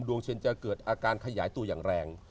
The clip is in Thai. เชนจะเกิดอาการขยายตัวอย่างแรง